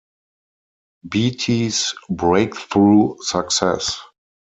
Beti's breakthrough success.